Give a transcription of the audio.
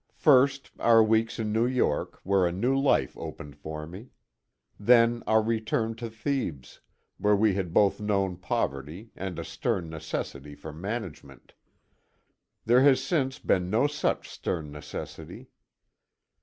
First, our weeks in New York, where a new life opened for me. Then, our return to Thebes, where we had both known poverty, and a stern necessity for management. There has since been no such stern necessity.